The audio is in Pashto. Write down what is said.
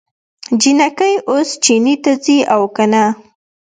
جينکۍ اوس چينې ته ځي که نه؟